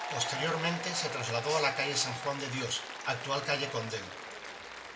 Posteriormente, se trasladó a la calle San Juan de Dios —actual calle Condell—.